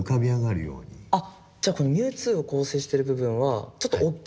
あっじゃあこのミュウツーを構成してる部分はちょっと大きい。